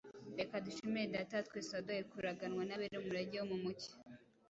reka dushimire Data wa twese “waduhaye kuraganwa n’abera umurage wo mu mucyo.